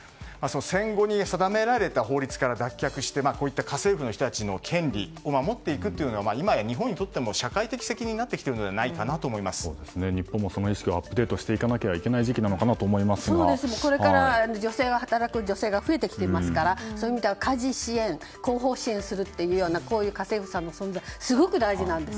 戦後に定められた法律から脱却して家政婦の人たちの権利を守っていくのは今や日本にとっても社会的責任になってきて日本も、その意識をアップデートしていかなきゃいけない時期なのかなと働く女性が増えてきていますからそういう意味では家事支援後方支援する家政婦さんの存在はすごく大事なんです。